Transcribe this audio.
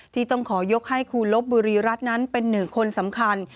ที่ต้องขอยกให้ครูลบบุรีรัฐนั้นเป็นหนึ่งคนสำคัญ